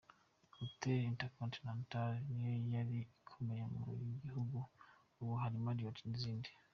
Hotel Intercontinental niyo yari ikomeye mu gihugu, ubu hari Marriot n’izindi.